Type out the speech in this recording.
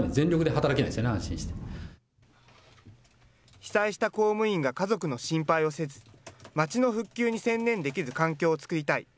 被災した公務員が家族の心配をせず、まちの復旧に専念できる環境を作りたい。